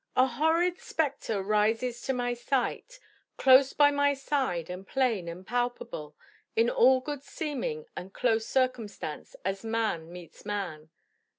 "A horrid spectre rises to my sight, Close by my side, and plain, and palpable In all good seeming and close circumstance As man meets man."